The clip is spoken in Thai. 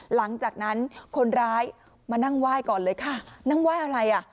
หลังจากนั้นคนร้ายมานั่งไหว้ก่อนเลยค่ะนั่งไหว้อะไรอ่ะ